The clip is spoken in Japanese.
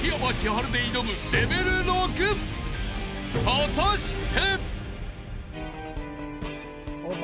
［果たして］